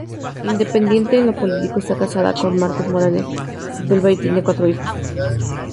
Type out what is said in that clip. Independiente en lo político, está casada con Marcos Morales Sepúlveda y tiene cuatro hijos.